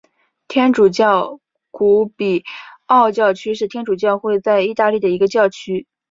天主教古比奥教区是天主教会在义大利的一个教区。